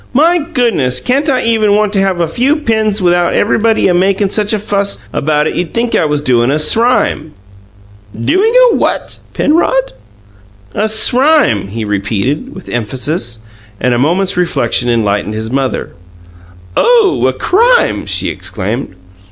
"My goodness! Can't I even want to have a few pins without everybody makin' such a fuss about it you'd think I was doin' a srime!" "Doing a what, Penrod?" "A SRIME!" he repeated, with emphasis; and a moment's reflection enlightened his mother. "Oh, a crime!" she exclaimed.